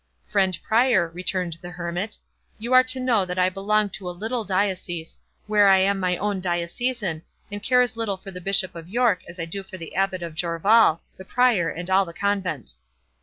"Friend Prior," returned the Hermit, "you are to know that I belong to a little diocese, where I am my own diocesan, and care as little for the Bishop of York as I do for the Abbot of Jorvaulx, the Prior, and all the convent."